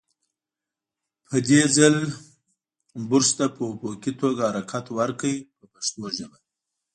په دې ځل برش ته په افقي توګه حرکت ورکړئ په پښتو ژبه.